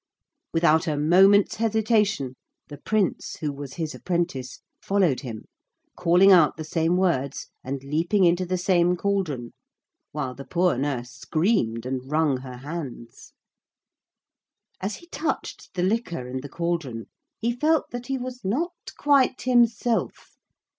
Without a moment's hesitation the Prince, who was his apprentice, followed him, calling out the same words and leaping into the same cauldron, while the poor nurse screamed and wrung her hands. As he touched the liquor in the cauldron he felt that he was not quite himself.